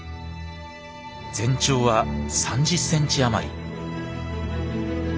全長は３０センチ余り。